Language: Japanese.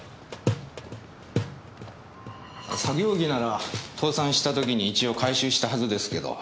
作業着なら倒産した時に一応回収したはずですけど。